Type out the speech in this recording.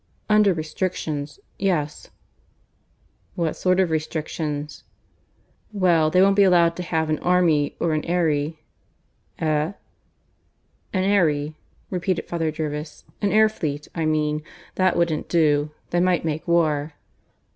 "Under restrictions yes." "What sort of restrictions?" "Well, they won't be allowed to have an army or an aery " "Eh?" "An aery," repeated Father Jervis "an air fleet, I mean. That wouldn't do: they might make war."